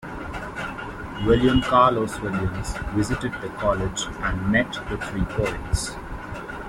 William Carlos Williams visited the college and met the three poets.